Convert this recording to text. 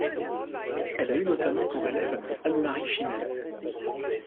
Elle a eu notamment pour élève Annemarie Schimmel.